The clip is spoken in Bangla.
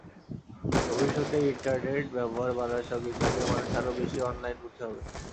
ভবিষ্যতে ইন্টারনেট ব্যবহার বাড়ার সঙ্গে সঙ্গে মানুষ আরও বেশি অনলাইনমুখী হবে।